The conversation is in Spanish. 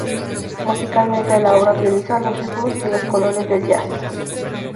Musicalmente la obra utiliza los ritmos y los colores del jazz.